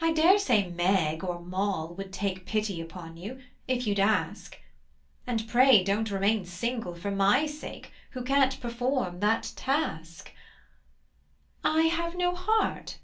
I dare say Meg or Moll would take Pity upon you, if you'd ask: And pray don't remain single for my sake Who can't perform that task. I have no heart?